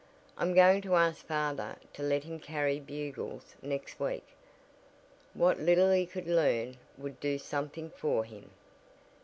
I'm going to ask father to let him carry Bugles next week. What little he could earn would do something for him."